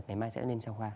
ngày mai sẽ lên trang hoa